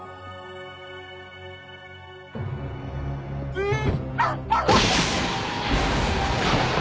うん。